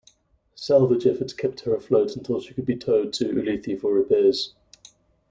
Salvage efforts kept her afloat until she could be towed to Ulithi for repairs.